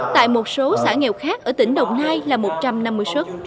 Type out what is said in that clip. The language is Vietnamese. tại một số xã nghèo khác ở tỉnh đồng nai là một trăm năm mươi xuất